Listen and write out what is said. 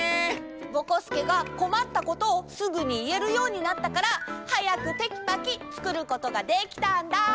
ぼこすけがこまったことをすぐにいえるようになったからはやくテキパキつくることができたんだ！